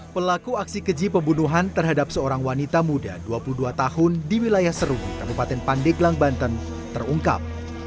pelaku aksi keji pembunuhan terhadap seorang wanita muda dua puluh dua tahun di wilayah seru kabupaten pandeglang banten terungkap